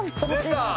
出た。